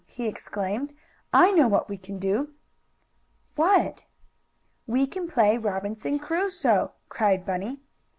he exclaimed. "I know what we can do!" "What?" "We can play Robinson Crusoe!" cried Bunny.